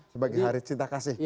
sebagai hari cinta kasih